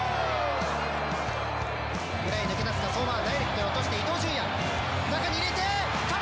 前に抜け出す相馬ダイレクトで落として伊東純也。